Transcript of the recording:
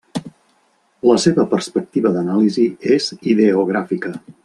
La seva perspectiva d'anàlisi és ideogràfica.